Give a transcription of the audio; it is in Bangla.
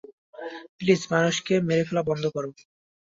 প্লিজ মানুষকে মেরে ফেলা বন্ধ করো!